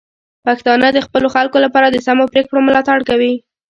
پښتانه د خپلو خلکو لپاره د سمو پریکړو ملاتړ کوي.